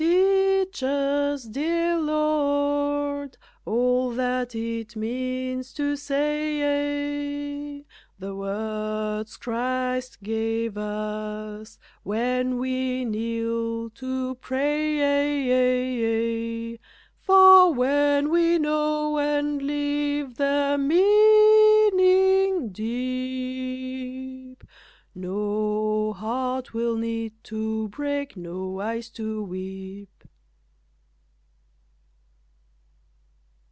Teach us, dear Lord, all that it means to say The words Christ gave us, when we kneel to pray, For when we know and live their meaning deep, No heart will need to break, no eyes to weep.